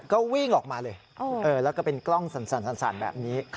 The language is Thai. ก็วิ่งออกมาเลยแล้วก็เป็นกล้องสั่นแบบนี้